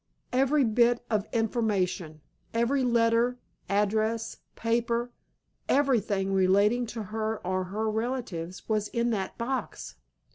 Every bit of information, every letter, address, paper, everything relating to her or her relatives, was in that box."